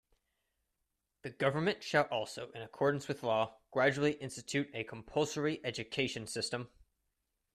The government shall also in accordance with law, gradually institute a compulsory education system.